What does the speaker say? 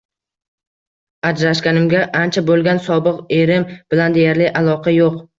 Ajrashganimga ancha bo‘lgan, sobiq erim bilan deyarli aloqa yo‘q.